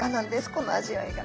この味わいが。